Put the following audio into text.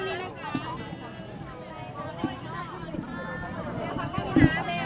มันเป็นปัญหาจัดการอะไรครับ